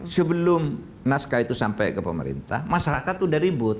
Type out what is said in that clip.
sebelum naskah itu sampai ke pemerintah masyarakat sudah ribut